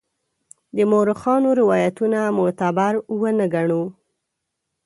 د مورخانو روایتونه معتبر ونه ګڼو.